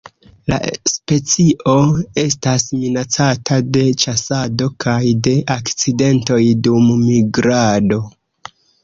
La specio estas minacata de ĉasado kaj de akcidentoj dum migrado.